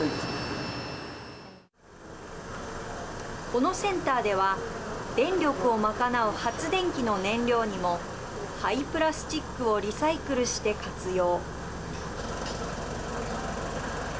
このセンターでは電力を賄う発電機の燃料にも廃プラスチックをリサイクルして活用。